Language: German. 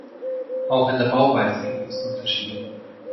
Auch in der Bauweise gibt es Unterschiede.